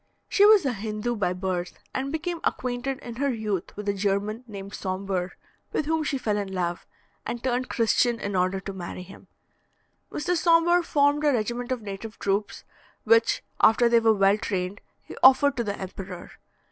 She was a Hindoo by birth, and became acquainted in her youth with a German named Sombre, with whom she fell in love, and turned Christian in order to marry him. Mr. Sombre formed a regiment of native troops, which, after they were well trained, he offered to the emperor.